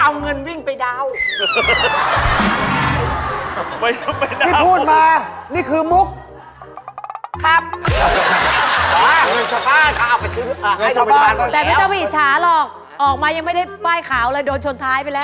เอาไปเอาไปป่าวแบบนี้ไม่ต้องไปอีชาหรอกออกมายังไม่ได้ป้ายขาวอะไรโดดชนท้ายไปแล้ว